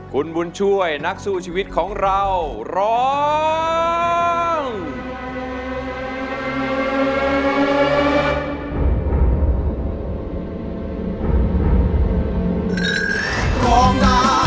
คุณบุญช่วยนักสู้ชีวิตของเราร้อง